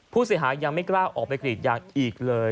ผู้เสียหายยังไม่กล้าออกไปกรีดยางอีกเลย